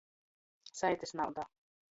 Saitys nauda.